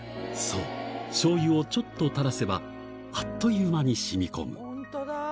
そうしょうゆをちょっと垂らせばあっという間に染み込む本当だ。